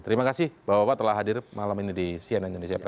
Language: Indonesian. terima kasih bapak bapak telah hadir malam ini di cnn indonesia prime